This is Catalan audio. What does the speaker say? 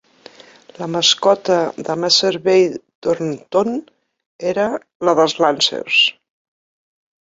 La mascota de Meservey-Thornton era la dels "Lancers".